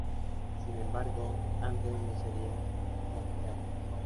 Sin embargo, Andre no sería drafteado.